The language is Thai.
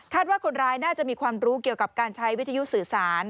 ว่าคนร้ายน่าจะมีความรู้เกี่ยวกับการใช้วิทยุสื่อสาร